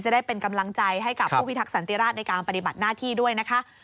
ได้เป็นกำลังใจให้กับผู้พิทักษันติราชในการปฏิบัติหน้าที่ด้วยนะคะ